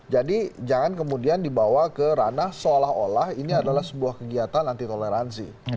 jadi jangan kemudian dibawa ke ranah seolah olah ini adalah sebuah kegiatan anti toleransi